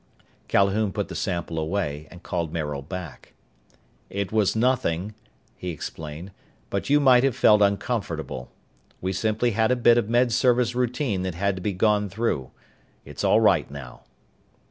Calhoun put the sample away and called Maril back. "It was nothing," he explained, "but you might have felt uncomfortable. We simply had a bit of Med Service routine that had to be gone through. It's all right now."